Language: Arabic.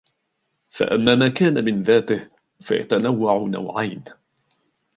فَأَمَّا مَا كَانَ مِنْ ذَاتِهِ فَيَتَنَوَّعُ نَوْعَيْنِ